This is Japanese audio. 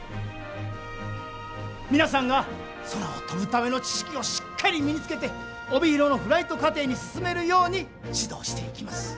皆さんが空を飛ぶための知識をしっかり身につけて帯広のフライト課程に進めるように指導していきます。